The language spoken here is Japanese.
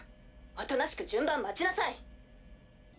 おとなしく順番待ちなさい。